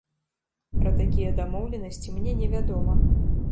Пра такія дамоўленасці мне невядома.